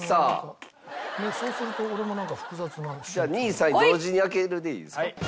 じゃあ２位３位同時に開けるでいいですか？